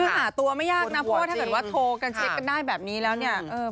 คือหาตัวไม่ยากนะเพราะว่าถ้าเกิดว่าโทรกันเช็คกันได้แบบนี้แล้วเนี่ย